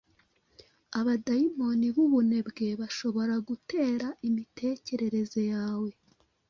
Abadayimoni b’ubunebwe bashobora gutera imitekerereze yawe